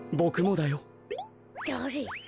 だれ？